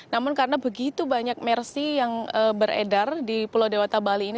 namun karena begitu banyak mersi yang beredar di pulau dewata bali ini